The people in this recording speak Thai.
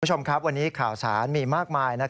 คุณผู้ชมครับวันนี้ข่าวสารมีมากมาย